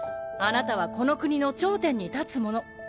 あなたはこの国の頂点に立つ者。